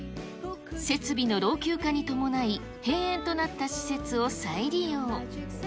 設備の老朽化に伴い閉園となった施設を再利用。